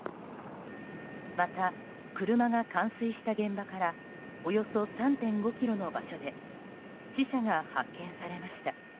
また、車が冠水した現場からおよそ３．５ｋｍの場所で死者が発見されました。